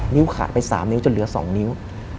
ขาดไป๓นิ้วจนเหลือ๒นิ้ว